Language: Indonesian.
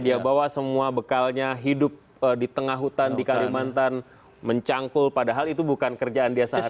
dia bawa semua bekalnya hidup di tengah hutan di kalimantan mencangkul padahal itu bukan kerjaan dia saat ini